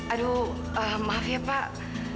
aduh maaf ya pak